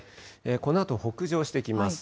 このあと北上してきます。